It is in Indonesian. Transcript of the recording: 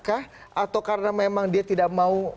atau karena memang dia tidak mau